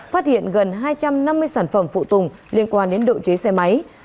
phát hiện gần hai trăm năm mươi sản phẩm phụ tùng liên quan đến độ chế xe máy